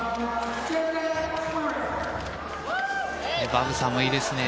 バブサーもいいですね。